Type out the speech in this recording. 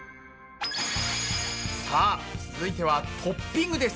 さあ続いてはトッピングです。